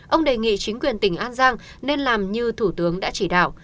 ông đề nghị chính quyền tỉnh an giang nên làm như thủ tướng đã chỉ đạo